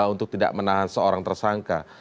untuk tidak menahan seorang tersangka